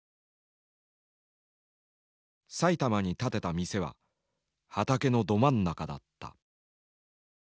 埼玉に建てた店は畑のど真ん中だった。